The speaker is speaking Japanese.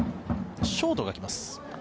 ショートが来ます。